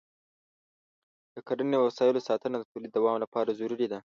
د کرني د وسایلو ساتنه د تولید دوام لپاره ضروري ده.